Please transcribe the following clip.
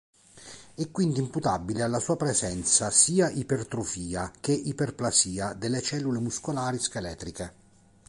È quindi imputabile alla sua presenza sia ipertrofia che iperplasia delle cellule muscolari scheletriche.